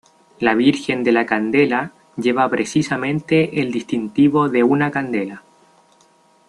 La Virgen de la Candela lleva precisamente el distintivo de una candela.